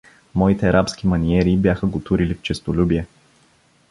Моите рабски маниери бяха го турили в честолюбие.